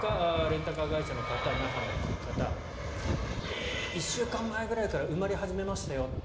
レンタカー会社の方那覇の方、１週間前くらいから埋まり出しましたと。